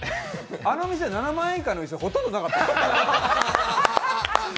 あの店、７万円以下の椅子ほとんどなかったから。